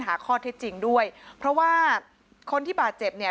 หาข้อเท็จจริงด้วยเพราะว่าคนที่บาดเจ็บเนี่ย